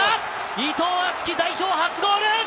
伊藤敦樹、代表初ゴール！